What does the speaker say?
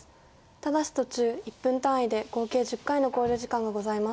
ただし途中１分単位で合計１０回の考慮時間がございます。